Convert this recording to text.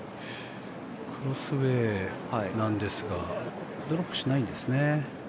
クロスウェーなんですがドロップしないんですね。